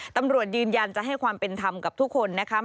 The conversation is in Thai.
ตำรวจยืนยันจะให้ความเป็นธรรมกับทุกคนนะคะ